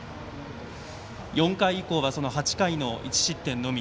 ４回以降は８回の１失点のみ。